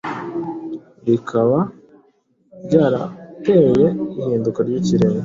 rikaba ryarateye ihinduka ry’ikirere